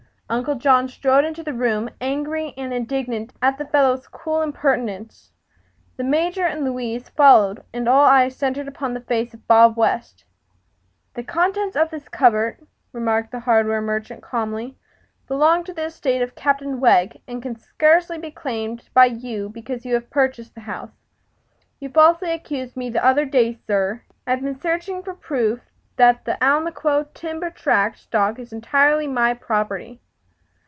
Uncle John strode into the room angry and indignant at the fellow's cool impertinence. The Major and Louise followed, and all eyes centered upon the face of Bob West. "The contents of this cupboard," remarked the hardware merchant, calmly, "belong to the estate of Captain Wegg, and can scarcely be claimed by you because you have purchased the house. You falsely accused me the other day, sir, and I have been searching for proof that the Almaquo Timber Tract stock is entirely my property."